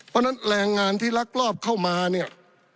เพราะฉะนั้นแรงงานที่ลักลอบเข้ามาเนี่ย